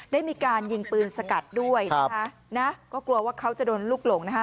ได้มีการยิงปืนสกัดด้วยนะคะนะก็กลัวว่าเขาจะโดนลูกหลงนะคะ